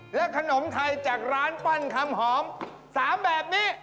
และขนมไทยจากร้านปั้นคำหอม๓แบบนี้